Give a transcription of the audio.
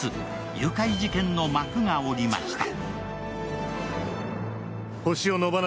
誘拐事件の幕が下りました。